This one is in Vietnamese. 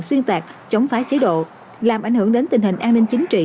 xuyên tạc chống phá chế độ làm ảnh hưởng đến tình hình an ninh chính trị